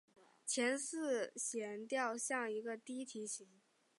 前四弦调像一个低提琴。